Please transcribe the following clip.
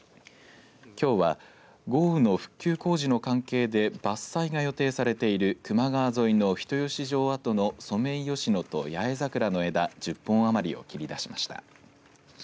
きょうは豪雨の復旧工事の関係で伐採が予定されている球磨川沿いの人吉城跡のソメイヨシノとヤエザクラの枝１０本余りを切り出しました。